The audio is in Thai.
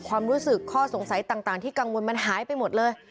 ความรู้สึกข้อสงสัยต่างที่กังวลมันหายไปหมดเลย